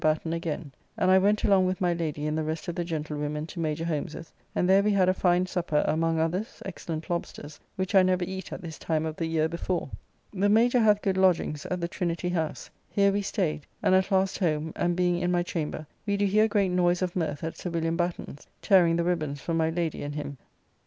Batten again, and I went along with my lady and the rest of the gentlewomen to Major Holmes's, and there we had a fine supper, among others, excellent lobsters, which I never eat at this time of the year before. The Major bath good lodgings at the Trinity House. Here we staid, and at last home, and, being in my chamber, we do hear great noise of mirth at Sir William Batten's, tearing the ribbands from my Lady and him.